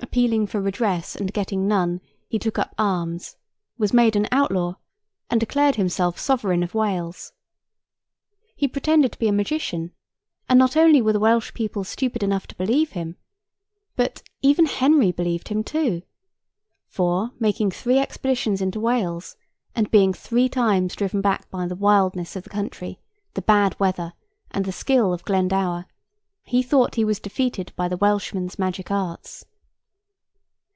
Appealing for redress, and getting none, he took up arms, was made an outlaw, and declared himself sovereign of Wales. He pretended to be a magician; and not only were the Welsh people stupid enough to believe him, but, even Henry believed him too; for, making three expeditions into Wales, and being three times driven back by the wildness of the country, the bad weather, and the skill of Glendower, he thought he was defeated by the Welshman's magic arts.